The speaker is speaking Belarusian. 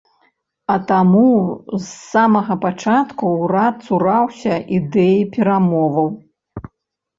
А таму з самага пачатку ўрад цураўся ідэі перамоваў.